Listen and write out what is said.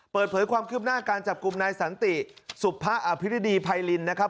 เปิดเผยความคืบหน้าการจับกลุ่มนายสันติสุภะอภิริดีไพรินนะครับ